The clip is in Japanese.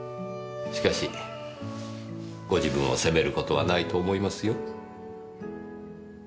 しかしご自分を責める事はないと思いますよ。